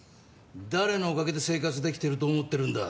誰のおかげで生活できていると思ってるんだ。